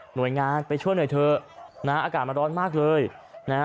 หน่วยงานไปช่วยหน่อยเถอะนะฮะอากาศมันร้อนมากเลยนะฮะ